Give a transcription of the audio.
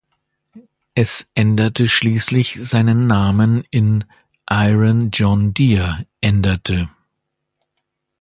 Es änderte schließlich seinen Namen in "Iran John Deere" änderte.